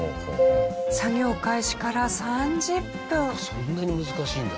そんなに難しいんだ。